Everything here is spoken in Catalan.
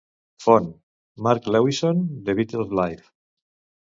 "Font:" Mark Lewisohn, "The Beatles Live!